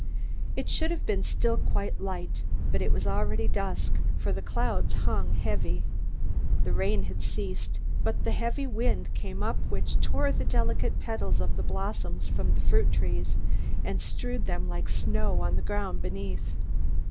It should have been still quite light, but it was already dusk, for the clouds hung heavy. The rain had ceased, but a heavy wind came up which tore the delicate petals of the blossoms from the fruit trees and strewed them like snow on the ground beneath.